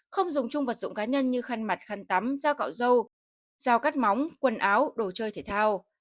không dùng chung vật dụng cá nhân như khăn mặt khăn tắm dao cọ dâu dao cắt móng quần áo đồ chơi thể thao